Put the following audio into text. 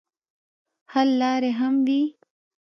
حل لارې هم وي.